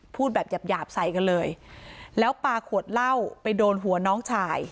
พูดแบบหยาบหยาบใส่กันเลยแล้วปลาขวดเหล้าไปโดนหัวน้องชาย